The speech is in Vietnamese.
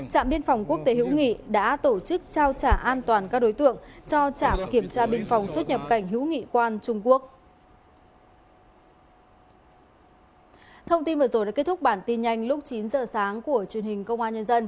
trạm biên phòng quốc tế hữu nghị đã tổ chức trao trả an toàn các đối tượng cho trạm kiểm tra biên phòng xuất nhập cảnh hữu nghị quan trung quốc